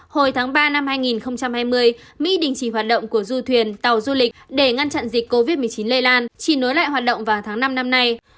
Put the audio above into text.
hồi tháng ba năm hai nghìn hai mươi mỹ đình chỉ hoạt động của du thuyền tàu du lịch để ngăn chặn dịch covid một mươi chín lây lan chỉ nối lại hoạt động vào tháng năm năm nay